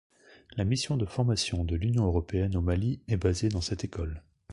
La mission de formation de l'Union européenne au Mali est basée dans cette école.